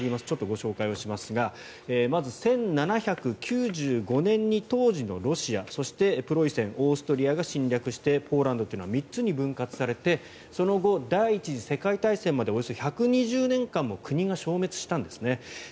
ちょっとご紹介をしますがまず１７９５年に当時のロシアそして、プロイセンオーストリアが侵略してポーランドは３つに分割されてその後、第１次世界大戦までおよそ１２０年間も国が消滅したんですね。